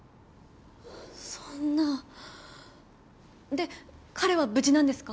そんなで彼は無事なんですか？